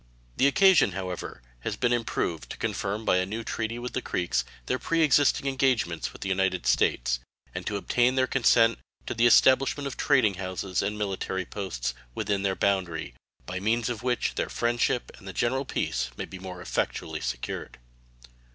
The occasion, however, has been improved to confirm by a new treaty with the Creeks their preexisting engagements with the United States, and to obtain their consent to the establishment of trading houses and military posts within their boundary, by means of which their friendship and the general peace may be more effectually secured.